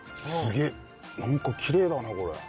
なんかきれいだねこれ。